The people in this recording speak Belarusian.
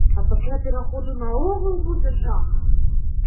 А пасля пераходу наогул будзе жах!